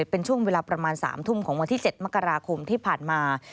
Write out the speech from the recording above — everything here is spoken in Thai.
เป็นช่วงเวลาประมาณ๓ทุ่มของวันที่๗มกราคมที่ผ่านมา